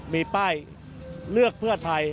มีป้ายเลือกเพื่อไทย